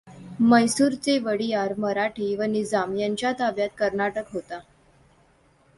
म्हैसूरचे वडियार, मराठे व निझाम यांच्या ताब्यात कर्नाटक होता.